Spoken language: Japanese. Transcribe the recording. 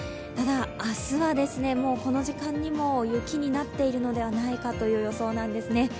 ただ、明日はこの時間にも雪になっているのではないかという予想なんですね。